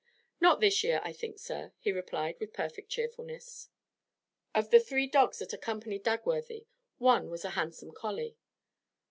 'Not this year, I think, sir,' he replied, with perfect cheerfulness. Of the three dogs that accompanied Dagworthy, one was a handsome collie.